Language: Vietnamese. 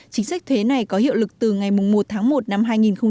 chính sách thuế này có hiệu lực từ ngày một tháng một năm hai nghìn hai mươi